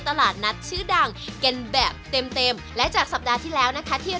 เครื่องเทศของคนจีนเหรอ